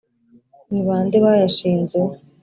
ni ba nde bayashinze?